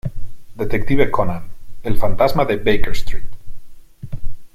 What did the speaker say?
Detective Conan: El fantasma de Baker Street